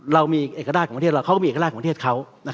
เรามีเอกราชของประเทศเราเขาก็มีเอกราชของประเทศเขา